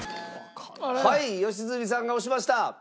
はい良純さんが押しました。